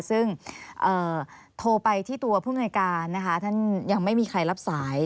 ซึ่งโทรไปที่ตัวผู้มนวยการนะคะท่านยังไม่มีใครรับสาย